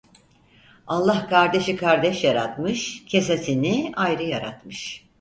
Allah kardeşi kardeş yaratmış, kesesini ayrı yaratmış.